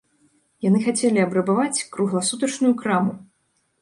Яны хацелі абрабаваць кругласутачную краму.